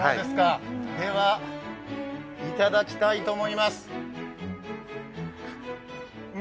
では頂きたいと思います。